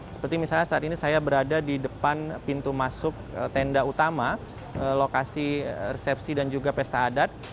seperti misalnya saat ini saya berada di depan pintu masuk tenda utama lokasi resepsi dan juga pesta adat